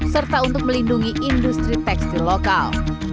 serta untuk melindungi industri tekstil lokal